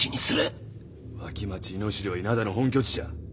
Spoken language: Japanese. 脇町猪尻は稲田の本拠地じゃ。